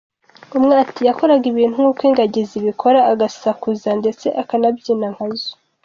Umwe Ati “Yakoraga ibintu nk’uko ingagi zibikora agasakuza ndetse akanabyina nka zo.